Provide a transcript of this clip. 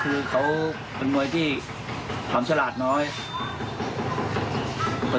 เตรียมป้องกันแชมป์ที่ไทยรัฐไฟล์นี้โดยเฉพาะ